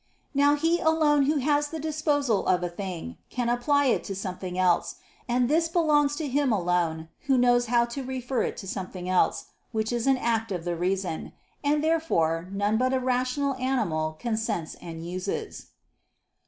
Now he alone who has the disposal of a thing, can apply it to something else; and this belongs to him alone who knows how to refer it to something else, which is an act of the reason. And therefore none but a rational animal consents and uses.